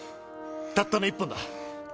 たったの１本だ。